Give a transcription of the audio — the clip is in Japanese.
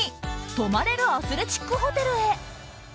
泊まれるアスレチックホテルへ。